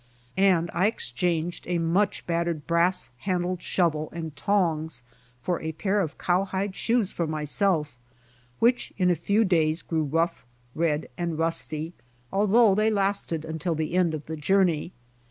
And I exchanged a much bat tered brass handled .shovel and tongs for a pair of cowhide shoes for myself, which in a few days grew rough, red and rusty, although they lasted until the end of the journey.